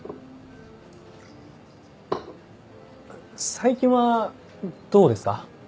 最近はどうですか？